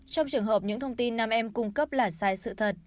trong trường hợp những thông tin nam em cung cấp là sai sự thật